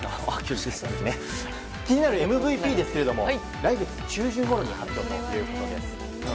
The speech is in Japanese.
気になるＭＶＰですが来月中旬ごろ発表ということです。